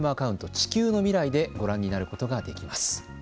「地球のミライ」でご覧になることができます。